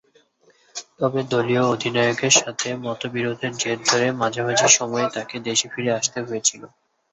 তবে, দলীয় অধিনায়কের সাথে মতবিরোধের জের ধরে মাঝামাঝি সময়েই তাকে দেশে ফিরে আসতে হয়েছিল।